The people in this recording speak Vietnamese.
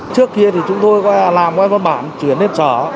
trước kia thì chúng tôi làm qua văn bản chuyển đến sở